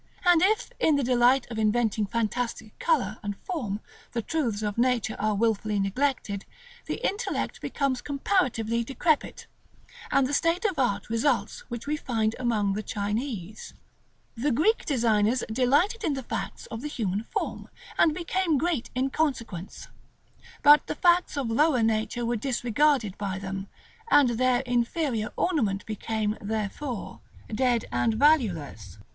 And if, in the delight of inventing fantastic color and form the truths of nature are wilfully neglected, the intellect becomes comparatively decrepit, and that state of art results which we find among the Chinese. The Greek designers delighted in the facts of the human form, and became great in consequence; but the facts of lower nature were disregarded by them, and their inferior ornament became, therefore, dead and valueless.